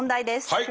はい！